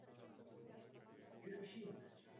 Zdrojové kódy se mohou skládat z nezávislých modulů.